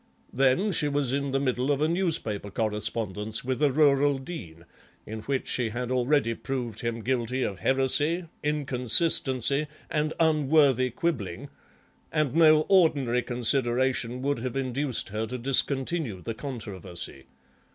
Then she was in the middle of a newspaper correspondence with a rural dean in which she had already proved him guilty of heresy, inconsistency, and unworthy quibbling, and no ordinary consideration would have induced her to discontinue the controversy.